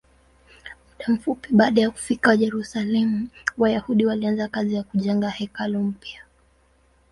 Muda mfupi baada ya kufika Yerusalemu, Wayahudi walianza kazi ya kujenga hekalu upya.